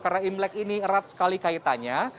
karena imlek ini erat sekali kaitannya